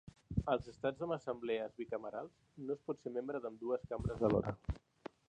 Als estats amb assemblees bicamerals, no es pot ser membre d'ambdues cambres alhora.